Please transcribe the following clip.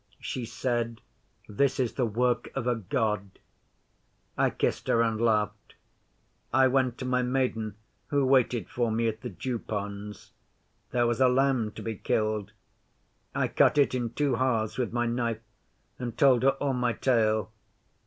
She said, "This is the work of a God." I kissed her and laughed. I went to my Maiden who waited for me at the Dew ponds. There was a lamb to be killed. I cut it in two halves with my knife, and told her all my tale.